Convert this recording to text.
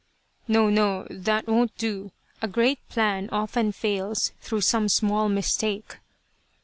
" No, no, that won't do a great plan often fails through some small mistake."